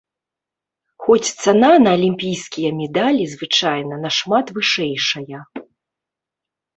Хоць цана на алімпійскія медалі звычайна нашмат вышэйшая.